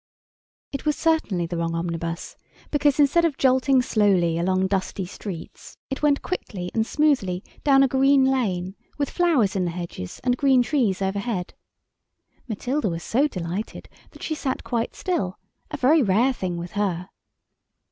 It was certainly the wrong omnibus because instead of jolting slowly along dusty streets, it went quickly and smoothly down a green lane, with flowers in the hedges, and green trees overhead. Matilda was so delighted that she sat quite still, a very rare thing with her.